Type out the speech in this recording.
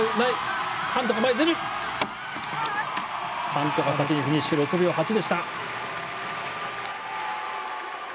ハントが先にフィニッシュ６秒８でした。